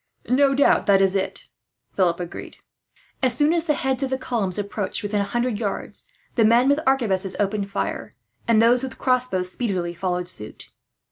"No doubt that is it," Philip agreed. "I did not think of that before." As soon as the heads of the columns approached within a hundred yards, the men with arquebuses opened fire; and those with crossbows speedily followed suit.